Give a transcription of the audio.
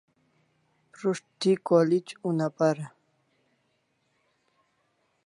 Prus't thi college una para